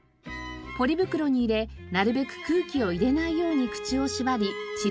ポリ袋に入れなるべく空気を入れないように口を縛りチルド室へ。